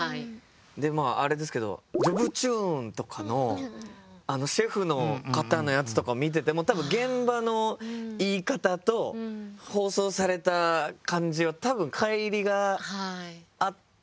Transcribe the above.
まああれですけど「ジョブチューン」とかのあのシェフの方のやつとかを見てても多分現場の言い方と放送された感じは多分かい離があったと思うんですよね。